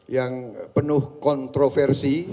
yang penuh kontroversi